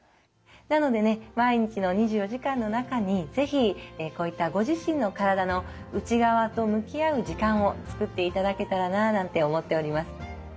なのでね毎日の２４時間の中に是非こういったご自身の体の内側と向き合う時間を作っていただけたらななんて思っております。